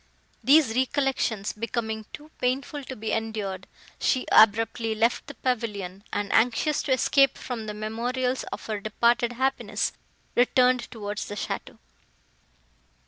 These recollections becoming too painful to be endured, she abruptly left the pavilion, and, anxious to escape from the memorials of her departed happiness, returned towards the château.